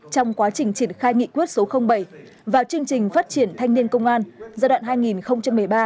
trong quá trình triển khai nghị quyết số bảy vào chương trình phát triển thanh niên công an giai đoạn hai nghìn một mươi sáu hai nghìn hai mươi ba